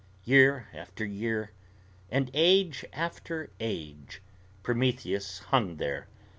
Year after year, and age after age, Prometheus hung there.